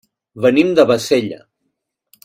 Venim de Bassella.